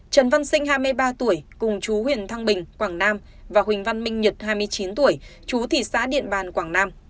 trần văn sinh hai mươi ba tuổi cùng chú huyện thăng bình quảng nam và huỳnh văn minh nhật hai mươi chín tuổi chú thị xã điện bàn quảng nam